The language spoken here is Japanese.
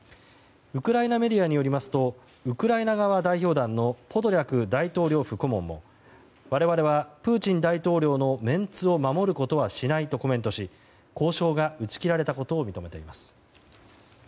ウクライナメディアによりますとウクライナ側代表団のポドリャク大統領府顧問も我々はプーチン大統領のメンツを守ることはしないとコメントし交渉が打ち切られたことを認めています。